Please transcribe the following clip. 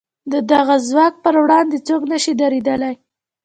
د دغه ځواک پر وړاندې څوک نه شي درېدلای.